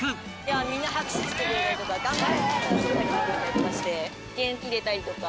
みんな拍手してくれたりとか「頑張れ！」って声かけてくれたりとかして元気出たりとか。